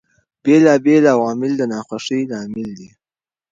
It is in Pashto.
بېلابېل عوامل د ناخوښۍ لامل دي.